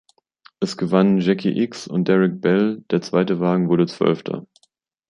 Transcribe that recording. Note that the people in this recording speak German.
Es gewannen Jacky Ickx und Derek Bell, der zweite Wagen wurde Zwölfter.